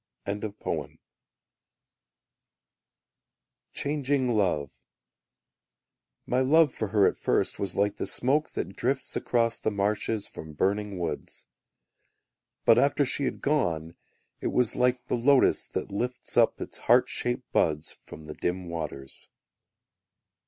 Changing Love My love for her at first was like the smoke that drifts Across the marshes From burning woods. But, after she had gone, It was like the lotus that lifts up Its heart shaped buds from the dim waters.